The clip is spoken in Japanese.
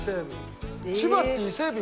千葉って伊勢海老